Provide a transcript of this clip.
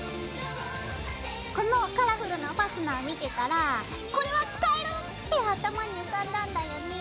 このカラフルなファスナー見てたらこれは使えるって頭に浮かんだんだよね。